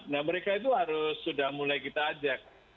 nah mereka itu harus sudah mulai kita ajak